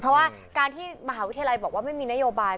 เพราะว่าการที่มหาวิทยาลัยบอกว่าไม่มีนโยบาย